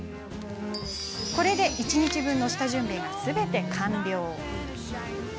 これで一日分の下準備がすべて完了です。